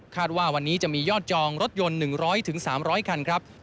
ว่าวันนี้จะมียอดจองรถยนต์๑๐๐๓๐๐คันครับ